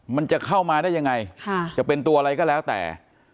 มันจะเข้ามาได้ยังไงจะเป็นตัวอะไรก็แล้วแต่